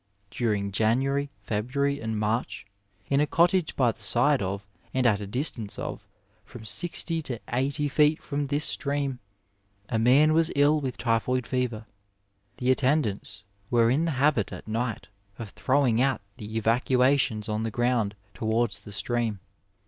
During January, February, and March, in a cottage by the side of and at a distance of from siztj to eighty feet from this stream, a man was ill with typhoid fever. The attendants were in the habit at night of throw ing out the evacuations on the ground towards the stream.